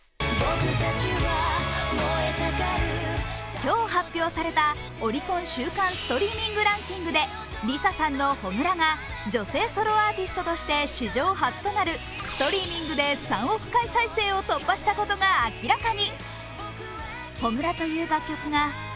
今日発表されたオリコン週間ストリーミングランキングでＬｉＳＡさんの「炎」が女性ソロアーティストとして史上初となるストリーミングで３億回再生を突破したことが明らかに。